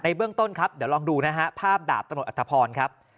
เบื้องต้นครับเดี๋ยวลองดูนะฮะภาพดาบตำรวจอัตภพรครับ